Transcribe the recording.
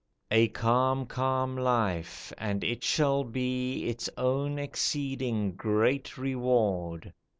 "A calm, calm life, and it shall be Its own exceeding great reward!